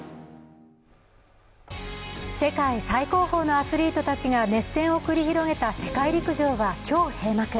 世界最高峰のアスリートたちが熱戦を繰り広げた世界陸上は今日、閉幕。